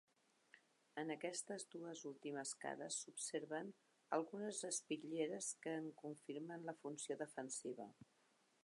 En aquestes dues últimes cares s'observen algunes espitlleres que en confirmen la funció defensiva.